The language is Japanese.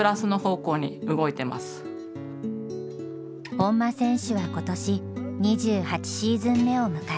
本間選手は今年２８シーズン目を迎えた。